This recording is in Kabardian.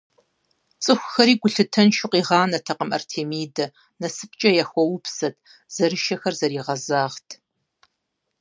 ЦӀыхухэри гулъытэншэу къигъанэртэкъым Артемидэ, насыпкӀэ яхуэупсэрт, зэрышэхэр зэригъэзэгъырт.